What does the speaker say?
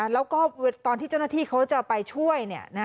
แล้วก็ตอนที่เจ้าหน้าที่เขาจะไปช่วย